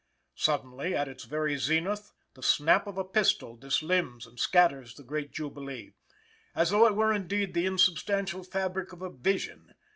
Suddenly, at its very zenith, the snap of a pistol dislimns and scatters this great jubilee, as though it were, indeed, the insubstantial fabric of a vision.